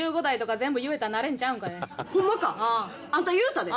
あんた言うたで？